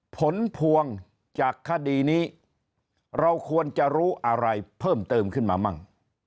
ผลพวงจากคดีนี้เราควรจะรู้อะไรเพิ่มเติมขึ้นมามั่ง